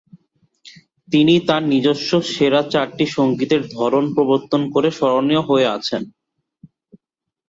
তিনি তার নিজস্ব সেরা চারটি সঙ্গীতের ধরন প্রবর্তন করে স্মরণীয় হয়ে আছেন।